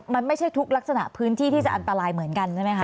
มันไม่ใช่ทุกลักษณะพื้นที่ที่จะอันตรายเหมือนกันใช่ไหมคะ